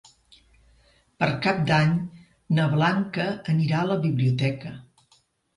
Per Cap d'Any na Blanca anirà a la biblioteca.